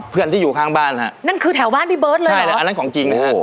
เพื่อนที่อยู่ข้างบ้านฮะนั่นคือแถวบ้านพี่เบิร์ตเลยใช่แล้วอันนั้นของจริงนะฮะ